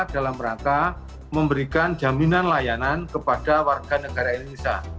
dalam rangka memberikan jaminan layanan kepada warga negara indonesia